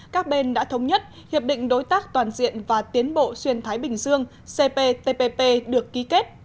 các bên đã thống nhất hiệp định đối tác toàn diện và tiến bộ xuyên thái bình dương cptpp được ký kết